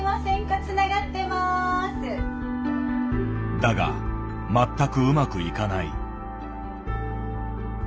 だが全くうまくいかない。